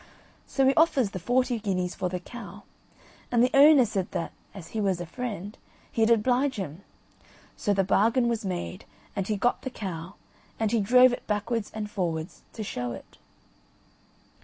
So he offers the forty guineas for the cow, and the owner said that, as he was a friend, he'd oblige him. So the bargain was made, and he got the cow and he drove it backwards and forwards to show it.